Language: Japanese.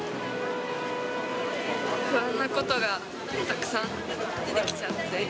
不安なことがたくさん出てきちゃって。